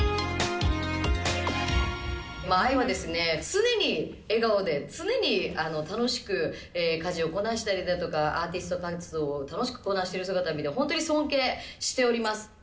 ＡＩはですね、常に笑顔で、常に楽しく家事をこなしたりだとか、アーティスト活動を楽しくこなしている姿を見て、本当に尊敬しております。